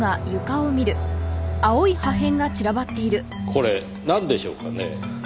これなんでしょうかねぇ？